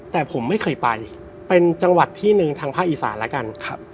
แต่ผมไม่เคยไปเป็นจังหวัดที่หนึ่งทางภาคอีสานแล้วกัน